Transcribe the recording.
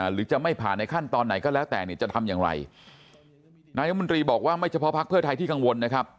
หรือจะไม่ผ่านในขั้นตอนไหนก็แล้วแต่เนี่ยจะทำอย่างไรนายมนตรีบอกว่าไม่เฉพาะพักเพื่อไทยที่กังวลนะครับ